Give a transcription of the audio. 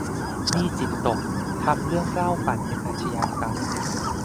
นี่จิตตก ทำเรื่องเหล้าปั่นเป็นอาชญากรรม